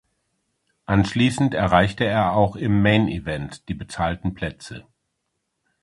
Anschließend erreichte er auch im Main Event die bezahlten Plätze.